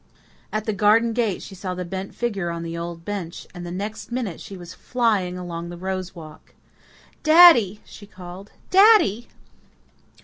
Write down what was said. At the garden gate she saw the bent figure on the old bench, and the next minute she was flying along the rose walk. "Daddy!" she called, "daddy!"